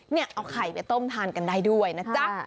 นี่เอาไข่ไปต้มทานกันได้ด้วยนะจ๊ะ